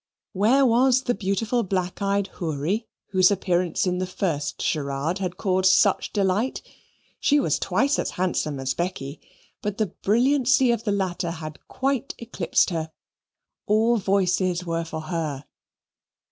Where was the beautiful black eyed Houri whose appearance in the first charade had caused such delight? She was twice as handsome as Becky, but the brilliancy of the latter had quite eclipsed her. All voices were for her.